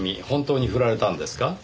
本当に振られたんですか？